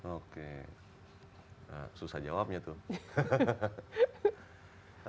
oke susah jawabnya tuh